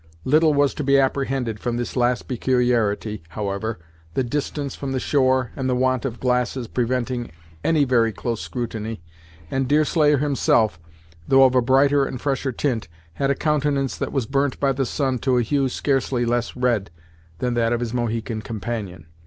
Little was to be apprehended from this last peculiarity, however, the distance from the shore, and the want of glasses preventing any very close scrutiny, and Deerslayer, himself, though of a brighter and fresher tint, had a countenance that was burnt by the sun to a hue scarcely less red than that of his Mohican companion.